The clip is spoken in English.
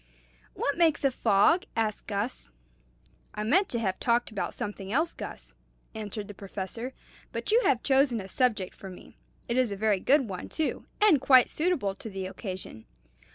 "What makes a fog?" asked Gus. "I meant to have talked about something else, Gus," answered the Professor; "but you have chosen a subject for me. It is a very good one, too, and quite suitable to the occasion.